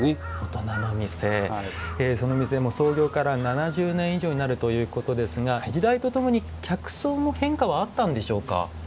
その店も創業から７０年以上になるということですが時代とともに客層も変化はあったんでしょうか？